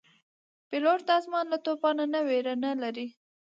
پیلوټ د آسمان له توپانه نه ویره نه لري.